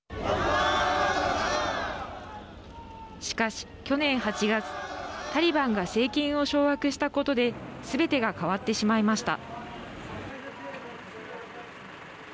しかし、去年８月タリバンが政権を掌握したことですべてが変わってしまいました。